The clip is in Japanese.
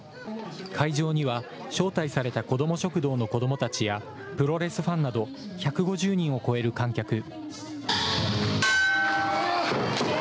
会場には、招待された子ども食堂の子どもたちや、プロレスファンなど、１５０人を超える観客。